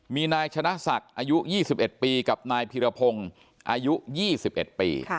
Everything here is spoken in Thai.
มีนายชนะศักดิ์อายุยี่สิบเอ็ดปีกับนายพิรพงศ์อายุยี่สิบเอ็ดปี